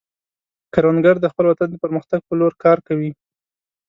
کروندګر د خپل وطن د پرمختګ په لور کار کوي